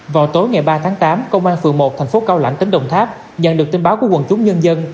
vào tối ngày ba tháng tám công an phường một thành phố cao lãnh tỉnh đồng tháp nhận được tin báo của quần chúng nhân dân